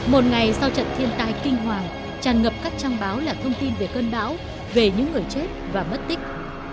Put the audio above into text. một ngày sau trận thiên tai kinh hoàng tràn ngập các trang báo là thông tin về cơn bão về những người chết và mất tích